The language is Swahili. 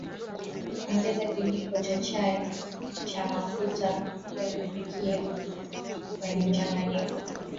Ongeza kijiko cha chai cha mafuta ya kupikia kwenye mchanganyiko